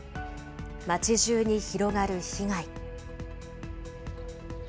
街じゅうに広がる被害。